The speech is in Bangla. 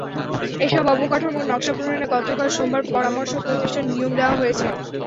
এসব অবকাঠামোর নকশা প্রণয়নে গতকাল সোমবার পরামর্শক প্রতিষ্ঠান নিয়োগ দেওয়া হয়েছে।